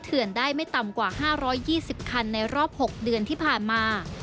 เถื่อนได้ไม่ต่ำกว่า๕๒๐คันในรอบ๖เดือนที่ผ่านมา